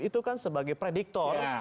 itu kan sebagai prediktor